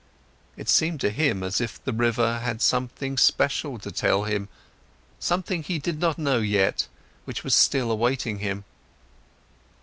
It seemed to him, as if the river had something special to tell him, something he did not know yet, which was still awaiting him.